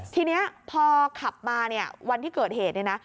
ทีนี้พอขับมาเนี่ยวันที่เกิดเหตุเนี่ยนะ